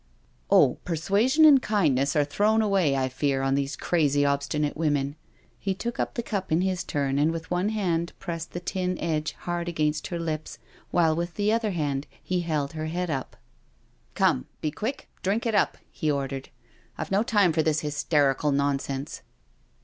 " Oh, persuasion and kindness are thrown away, I fear, on these crazy, obstinate women." He took up the cup, in his turn, and with one hand pressed the tin edge hard against her lips, while with the other hand he held her head up : 278 NO SURRENDER •• Comje, be quick, drink it up," he ordered. I've no time for this hysterical nonsense.